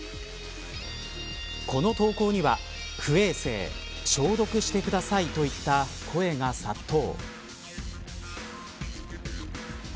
この投稿には不衛生消毒してくださいといった声が殺到。